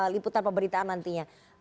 liputan pemberitaan nantinya